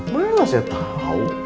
malah saya tahu